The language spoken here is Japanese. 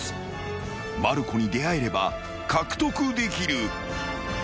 ［まる子に出会えれば獲得できる］